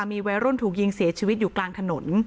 มีวัยรุ่นถูกยิงเสียชีวิตอยู่กลางถนน